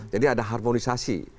jadi ada harmonisasi